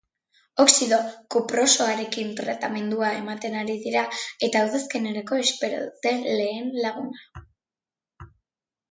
Oxido kuprosoarekin tratamendua ematen ari dira eta udazkenerako espero dute lehen laguna.